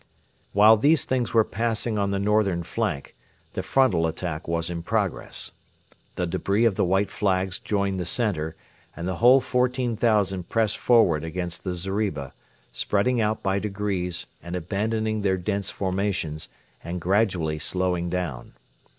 While these things were passing on the northern flank, the frontal attack was in progress. The debris of the 'White Flags' joined the centre, and the whole 14,000 pressed forward against the zeriba, spreading out by degrees and abandoning their dense formations, and gradually slowing down.